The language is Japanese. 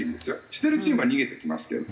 してるチームは逃げてきますけれど。